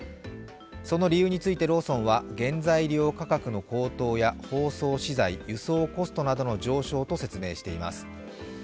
その理由についてローソンは原材料価格の高騰や包装資材、輸送コストなどの上昇と説明しています。